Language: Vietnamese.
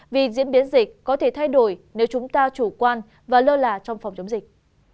vì diễn biến dịch có thể thay đổi nếu chúng ta chủ quan và lơ là trong phòng chống dịch